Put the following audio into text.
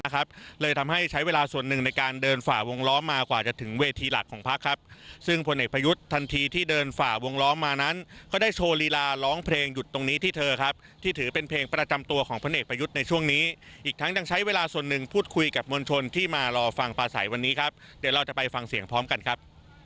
เขาได้โชว์ลีลาร้องเพลงหยุดตรงนี้ที่เธอครับที่ถือเป็นเพลงประจำตัวของผลเอกประยุทธ์ในช่วงนี้อีกทั้งจะใช้เวลาส่วนหนึ่งพูดคุยกับมวลชนที่มารอฟังปลาใสวันนี้ครับเดี๋ยวเราจะไปฟังเสียงพร้อมกันครับ